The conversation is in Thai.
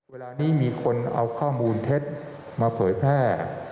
เวลานี้มีคนเอาข้อมูลเท็จมาเผยแพร่